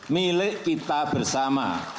milik kita bersama